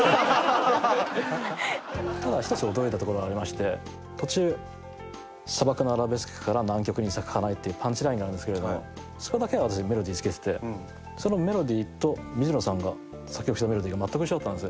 ただ１つ驚いたところがありまして途中「砂漠のアラベスクから南極に咲く花へ」っていうパンチラインがあるんですけれどもそこだけは私メロディー付けててそのメロディーと水野さんが作曲したメロディーがまったく一緒だったんですよ。